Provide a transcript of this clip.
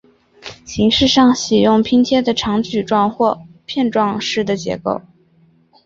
形式上喜用拼贴的长矩状和片段式的结构。